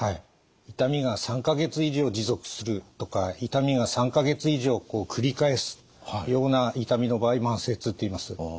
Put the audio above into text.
痛みが３か月以上持続するとか痛みが３か月以上繰り返すような痛みの場合慢性痛といいます。